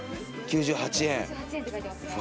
９８円。